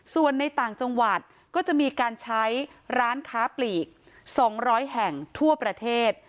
ส่วนในต่างจังหวัดก็จะมีการใช้ร้านค้าปลีก๒๐๐แห่งทั่วประเทศ